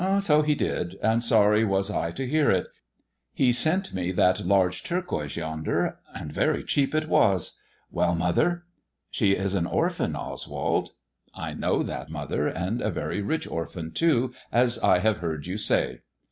" So he did, and sorry was I to hear it. He sent me that siTge turquoise yonder, and very cheap it was. Well, nother?" " She is an orphan, Oswald." " I know that, mother. And a very rich orphan, too, as [ have heard you say."